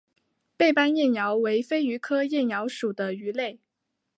背斑燕鳐为飞鱼科燕鳐属的鱼类。